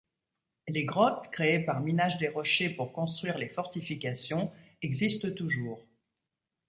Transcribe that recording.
Les grottes, créées par minage des rochers pour construire les fortifications, existent toujours.